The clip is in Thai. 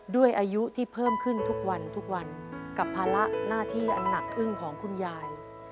ด้วยอายุที่เพิ่มขึ้นทุกวันทุกวันกับภาระหน้าที่อันหนักอึ้งของคุณยาย